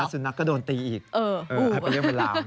แล้วสูนักก็โดนตีอีกให้ไปเลี่ยงเวลา